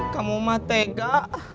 kamu mah tega